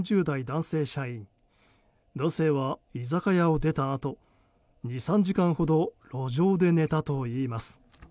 男性は居酒屋を出たあと２３時間ほど路上で寝たといいます。